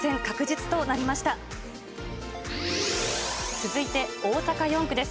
続いて、大阪４区です。